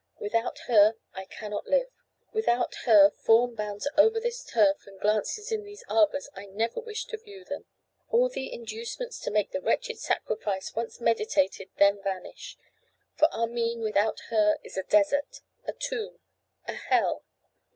Without her I cannot live. Without her form bounds over this turf and glances in these arbours I never wish to view them. All the inducements to make the wretched sacrifice once meditated then vanish; for Armine, without her, is a desert, a tomb, a hell.